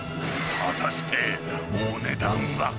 果たして、お値段は？